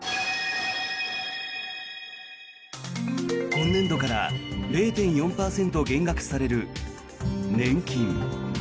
今年度から０．４％減額される年金。